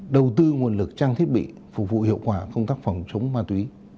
đầu tư nguồn lực trang thiết bị phục vụ hiệu quả công tác phòng chống ma túy